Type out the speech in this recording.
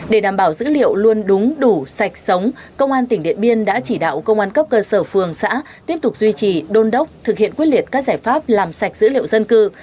để đảm bảo dữ liệu luôn đúng đủ sạch sống công an tỉnh điện biên đã chỉ đạo công an cấp cơ sở phường xã tiếp tục duy trì đôn đốc thực hiện quyết liệt các giải pháp làm sạch dữ liệu dân cư